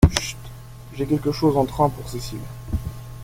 Chut !… j’ai quelque chose en train pour Cécile.